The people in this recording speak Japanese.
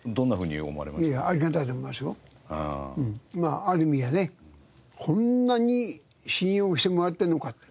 ある意味ではねこんなに信用してもらっているのかって